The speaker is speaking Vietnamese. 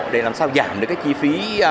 để làm sao giảm được chi phí